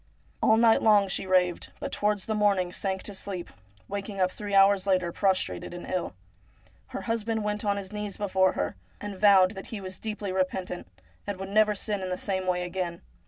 All night long she raved, but towards the morning sank to sleep, waking up three hours later prostrated and ill. Her husband went on his knees before her, and vowed that he was deeply repentant, and would never sin in the same way again.